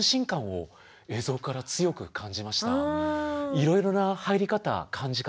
いろいろな入り方感じ方